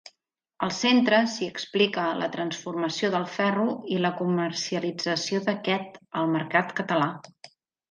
Al centre s'hi explica la transformació del ferro i la comercialització d'aquest al mercat català.